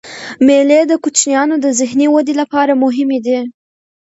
مېلې د کوچنيانو د ذهني ودي له پاره مهمي دي.